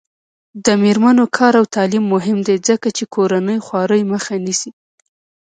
د میرمنو کار او تعلیم مهم دی ځکه چې کورنۍ خوارۍ مخه نیسي.